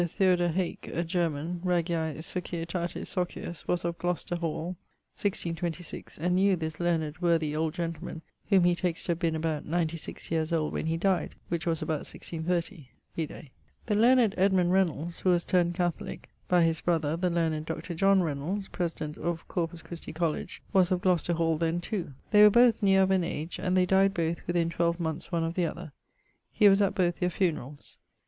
Theodore Haak, a German, Regiae Societatis Socius, was of Glocester Hall, 1626, and knew this learned worthy old gentleman, whom he takes to have been about ninety six yeares old when he dyed, which was about 1630 (vide). The learned Reynolds, who was turned Catholique[IV.] by his brother the learned Dr. Reynolds, President of Corpus Xti Colledge, was of Glocester Hall then too. They were both neer of an age, and they dyed both within 12 monethes one of th'other[C]. He was at both their funeralls.